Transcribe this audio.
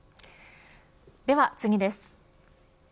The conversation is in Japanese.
では次です。